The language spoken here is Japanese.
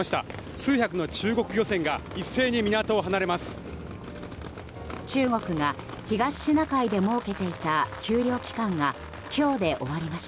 数百の中国漁船が一斉に港を離れます。